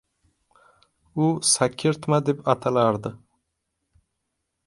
U Sakirtma deb atalardi.